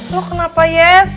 lo kenapa yes